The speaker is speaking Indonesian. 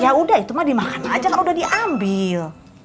ya udah itu mah dimakan aja kalau udah diambil